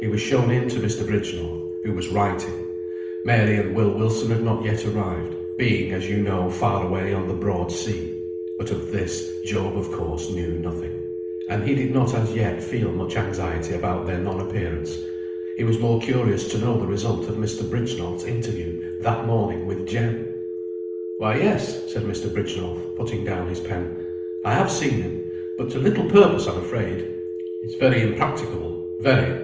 He was shown in to Mr. Bridgenorth, who was writing. Mary and Will Wilson had not yet arrived, being, as you know, far away on the broad sea; but of this Job of course knew nothing, and he did not as yet feel much anxiety about their non appearance; he was more curious to know the result of Mr. Bridgenorth's interview that morning with Jem. "Why, yes," said Mr. Bridgenorth, putting down his pen, "I have seen him, but to little purpose, I'm afraid. He's very impracticable very.